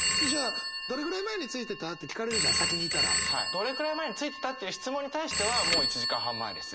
「どれくらい前に着いてた？」っていう質問に対してはもう「１時間半前です」。